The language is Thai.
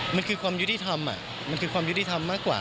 มันคือความยุติธรรมมันคือความยุติธรรมมากกว่า